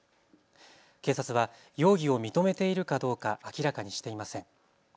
警察は容疑を認めているかどうか明らかにしていません。